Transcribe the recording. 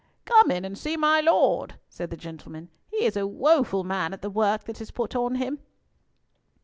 "Come in and see my Lord," said the gentleman. "He is a woeful man at the work that is put on him."